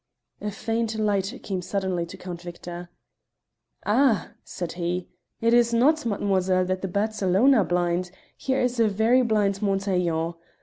A faint light came suddenly to Count Victor. "Ah!" said he, "it is not, mademoiselle, that the bats alone are blind; here is a very blind Montaiglon.